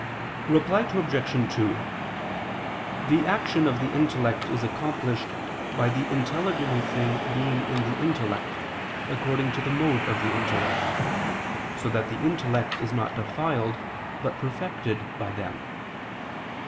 Reply Obj. 2: The action of the intellect is accomplished by the intelligible thing being in the intellect, according to the mode of the intellect, so that the intellect is not defiled, but perfected, by them.